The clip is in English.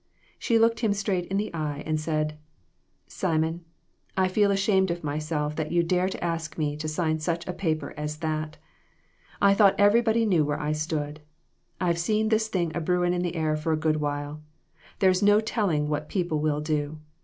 She looked him straight in the eye, and said " Simon, I feel ashamed of myself that you dare ask me to sign such a paper as that. I thought everybody knew where I stood. I've seen this thing a brewing in the air for a good while. There's no telling what people will do.